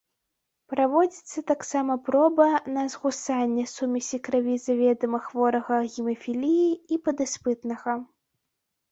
Праводзіцца таксама проба на згусання сумесі крыві заведама хворага гемафіліяй і падыспытнага.